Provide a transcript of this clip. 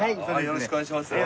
よろしくお願いします。